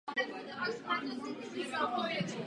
Vůči tomuto měřítku stále nejsme úspěšní.